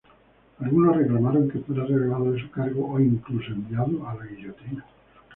Alguno reclamaron que fuera relevado de su cargo o incluso enviado a la guillotina.